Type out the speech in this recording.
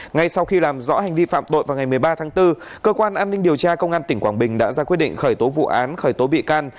ngay sau khi làm rõ hành vi phạm tội vào ngày một mươi ba tháng bốn cơ quan an ninh điều tra công an tỉnh quảng bình đã ra quyết định khởi tố vụ án khởi tố bị can